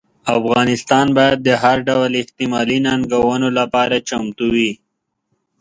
افغانستان باید د هر ډول احتمالي ننګونو لپاره چمتو وي.